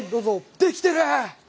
できてる！